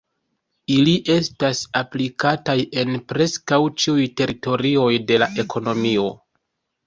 Ili estas aplikataj en preskaŭ ĉiuj teritorioj de la ekonomio.